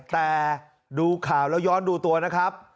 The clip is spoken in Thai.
แต่ดูข่าวแล้วย้อนดูตัวนะครับ